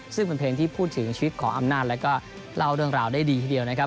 ซึ่งเป็นเพลงที่พูดถึงชีวิตของอำนาจแล้วก็เล่าเรื่องราวได้ดีทีเดียวนะครับ